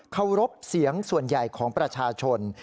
เคารพเสียงส่วนใหญ่ของประชาชน